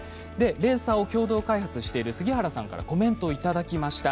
レーサーを共同開発している杉原さんからコメントをいただきました。